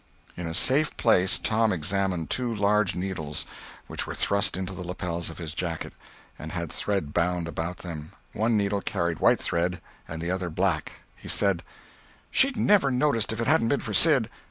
In a safe place Tom examined two large needles which were thrust into the lapels of his jacket, and had thread bound about them—one needle carried white thread and the other black. He said: "She'd never noticed if it hadn't been for Sid.